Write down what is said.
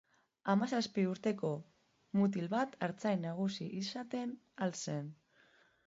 Hamazazpi urteko mutiko bat artzain nagusi izaten ahal zen.